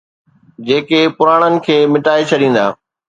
جيڪي پراڻن کي مٽائي ڇڏيندا.